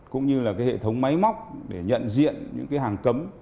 cũng như hệ thống máy móc để nhận diện những hàng cấm